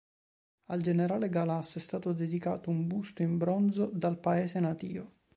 Al generale Galasso è stato dedicato un busto in bronzo dal paese natio.